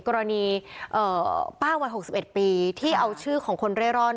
กรณีป้าวัย๖๑ปีที่เอาชื่อของคนเร่ร่อน